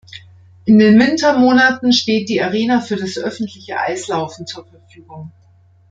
In den Wintermonaten steht die Arena für das öffentliche Eislaufen zur Verfügung.